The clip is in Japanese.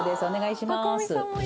お願いします。